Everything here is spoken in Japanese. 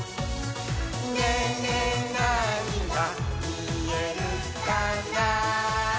「ねえ、ねえ、なーにがみえるかな？」